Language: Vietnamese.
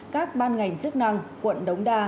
các ban ngành chức năng quận đống đa